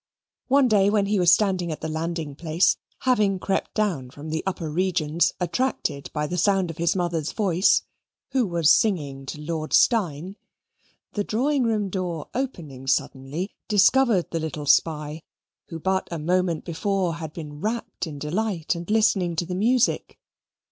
One day when he was standing at the landing place, having crept down from the upper regions, attracted by the sound of his mother's voice, who was singing to Lord Steyne, the drawing room door opening suddenly, discovered the little spy, who but a moment before had been rapt in delight, and listening to the music.